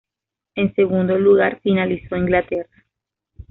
En segundo lugar finalizó Inglaterra.